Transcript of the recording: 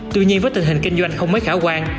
tuy nhiên với tình hình kinh doanh không mấy khả quan